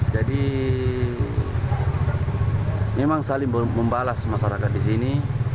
jadi memang saling membalas masyarakat di sini